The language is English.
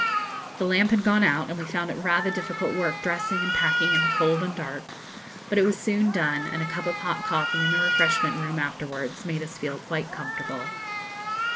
The lamp had gone out, and we found it rather difficult work dressing and packing in the cold and dark; but it was soon done, and a cup of hot coffee in the refreshment room afterwards made us feel quite comfortable.